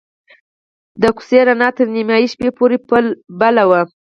د کوڅې رڼا تر نیمې شپې پورې بل وه.